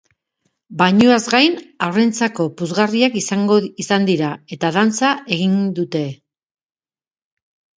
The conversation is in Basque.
Bainuaz gain, haurrentzako puzgarriak izan dira, eta dantza egin dute.